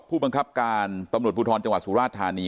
ผู้บังคับการณ์ตำลวดบุธรณ์จังหวัดสุราธารณี